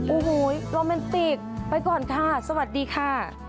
โอ้โหโรแมนติกไปก่อนค่ะสวัสดีค่ะ